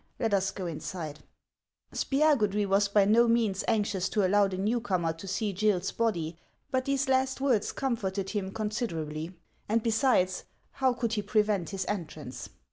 Let us go inside." 88 HANS OF ICELAND. Spiagudry was by no means anxious to allow the new comer to see Gill's body, but these last words comforted him considerably ; and besides, how could he prevent his entrance